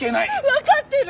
わかってる！